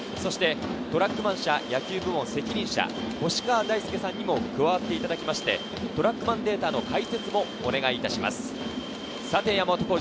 トラックマン社野球部門責任者・星川太輔さんにも加わっていただき、トラックマンデータの解説もお願いいたします。